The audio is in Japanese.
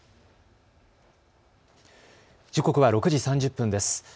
時刻は６時３０分です。